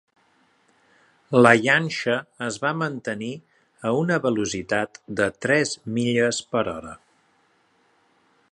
La llanxa es va mantenir a una velocitat de tres milles per hora.